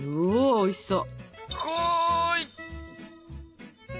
おいしそう！